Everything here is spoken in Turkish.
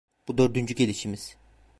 Bu dördüncü gelişimiz.